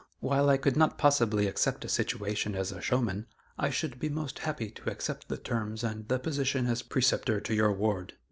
while I could not possibly accept a situation as a showman, I should be most happy to accept the terms and the position as preceptor to your ward."